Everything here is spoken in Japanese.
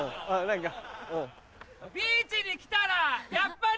ビーチに来たらやっぱり。